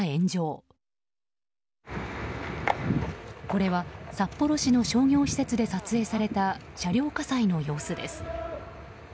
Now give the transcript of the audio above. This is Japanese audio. これは札幌市の商業施設で撮影された、車両火災の様子です。